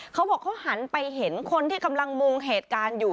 เขาบอกเขาหันไปเห็นคนที่กำลังมุงเหตุการณ์อยู่